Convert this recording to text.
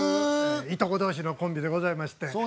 いとこ同士のコンビでございまして。